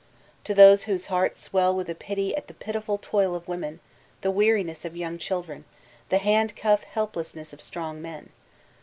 To those whose hearts swdl with a great pity at the pitiful toil of women, the weari ness of young children, the handcuffed helplessness of strong men!